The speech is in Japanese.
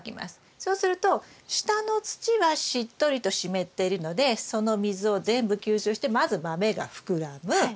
そうすると下の土はしっとりと湿っているのでその水を全部吸収してまずマメが膨らむ。